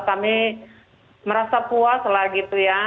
kami merasa puas lah gitu ya